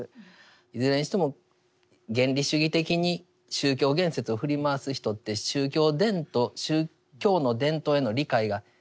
いずれにしても原理主義的に宗教言説を振り回す人って宗教伝統宗教の伝統への理解がシンプルすぎるんですよね。